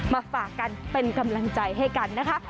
ฝากกันเป็นกำลังใจให้กันนะคะ